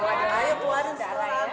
ayo keluarin setoran